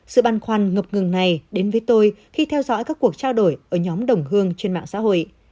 sự băn khoăn ngập ngừng này đến với tôi khi theo dõi các cuộc trao đổi ở nhóm đồng hương trên mạng xã hội